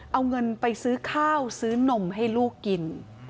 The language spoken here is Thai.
เอาเงินไปซื้อข้าวซื้อนมให้ลูกกิน